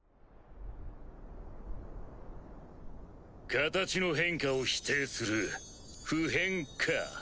形の変化を否定する不変か。